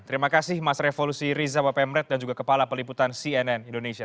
terima kasih mas revo lusi rizawa pemret dan juga kepala peliputan cnn indonesia